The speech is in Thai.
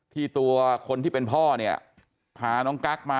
ที่ตัวคนที่เป็นพ่อพาน้องกั๊กมา